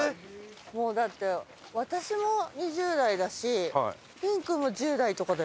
もうだって私も２０代だし健君も１０代とかだよね？